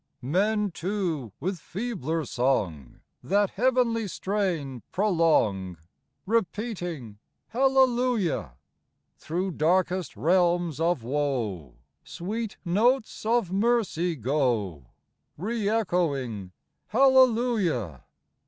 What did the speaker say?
" Men too, with feebler song, That heavenly strain prolong, Repeating " Hallelujah !" Through darkest realms of woe, Sweet notes of mercy go, Re echoing "Hallelujah!"